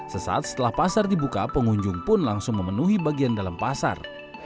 sesaat setelah pasar dibuka pengunjung pun langsung memenuhi bagian dalam pasar